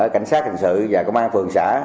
cảnh sát hành sự và công an phường xã